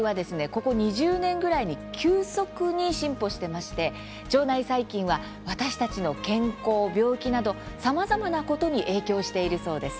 ここ２０年ぐらいに急速に進歩してまして、腸内細菌は私たちの健康、病気などさまざまなことに影響しているそうです。